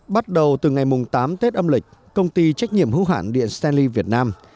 bắt đầu từ ngày tám tết âm lịch công ty trách nhiệm hữu hãn điện stanley việt nam